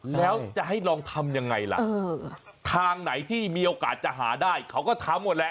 แล้วจะให้ลองทำยังไงล่ะทางไหนที่มีโอกาสจะหาได้เขาก็ทำหมดแหละ